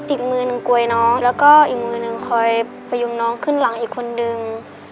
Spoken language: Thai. อีกมือหนึ่งกวยน้องแล้วก็อีกมือหนึ่งคอยพยุงน้องขึ้นหลังอีกคนนึง